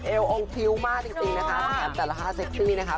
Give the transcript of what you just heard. เอลองคิวมากจริงนะคะสำหรับแต่ละ๕เซ็กซี่นะคะ